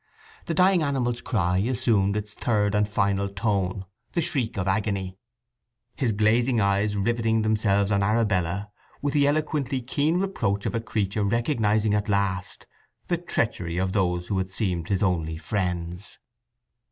The dying animal's cry assumed its third and final tone, the shriek of agony; his glazing eyes riveting themselves on Arabella with the eloquently keen reproach of a creature recognizing at last the treachery of those who had seemed his only friends.